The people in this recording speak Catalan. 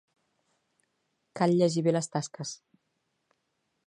Cal llegir bé les tasques.